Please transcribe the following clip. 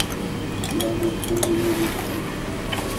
دا ماشوم لوبې کوي.